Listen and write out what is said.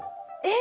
え！